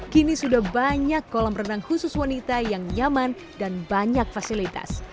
kini sudah banyak kolam renang khusus wanita yang nyaman dan banyak fasilitas